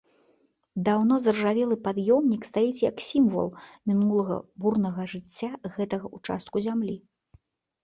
Даўно заржавелы пад'ёмнік стаіць як сімвал мінулага бурнага жыцця гэтага ўчастку зямлі.